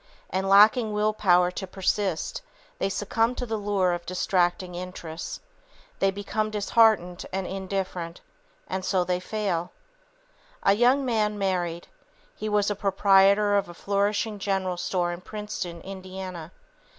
And lacking will power to persist, they succumb to the lure of distracting interests. They become disheartened and indifferent. And so they fail. [Sidenote: Saving a Thousand a Year] A young man married. He was proprietor of a flourishing "general" store in Princeton, Indiana.